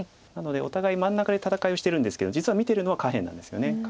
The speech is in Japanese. なのでお互い真ん中で戦いをしてるんですけど実は見てるのは下辺なんですよね。